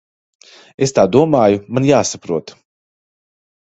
Es tā domāju. Man jāsaprot.